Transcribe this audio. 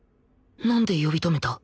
なんで呼び止めた？